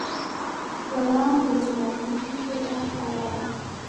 ګلان د زینتي بوټو برخه ده.